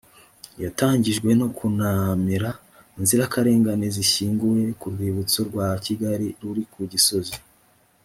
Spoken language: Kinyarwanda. yatangijwe no kunamira inzirakarengane zishyinguye ku rwibutso rwa kigali ruri ku gisozi